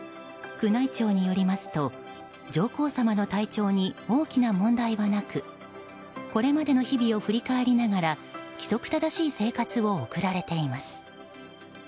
宮内庁によりますと上皇さまの体調に大きな問題はなくこれまでの日々を振り返りながら規則正しい生活を送られています。